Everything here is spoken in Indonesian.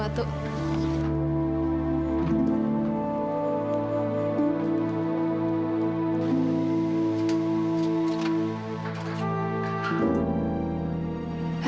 aduh kenapa sih satria pake bawa lara ke kantornya